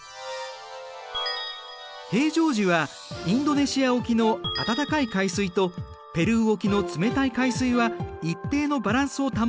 平常時はインドネシア沖の温かい海水とペルー沖の冷たい海水は一定のバランスを保っている。